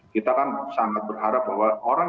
kita kan sangat berharap bahwa orang